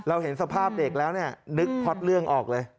เห็นสภาพเด็กแล้วเนี่ยนึกพ็อตเรื่องออกเลย